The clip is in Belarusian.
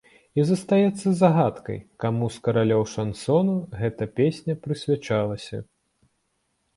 І застаецца загадкай, каму з каралёў шансону гэта песня прысвячалася.